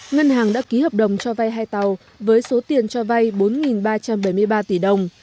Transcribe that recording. ngân hàng đã ký hợp đồng cho vay hai tàu với số tiền cho vay bốn ba trăm bảy mươi ba tỷ đồng